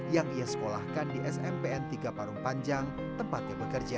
yang ia sekolahkan di smpn tiga parung panjang tempatnya bekerja